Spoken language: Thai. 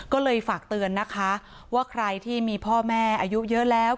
ก็เลยฝากเตือนนะคะว่าใครที่มีพ่อแม่อายุเยอะแล้ว